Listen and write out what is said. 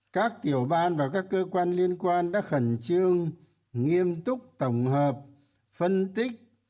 các tiểu ban và các cơ quan liên quan đã khẩn trương nghiêm túc tổng hợp phân tích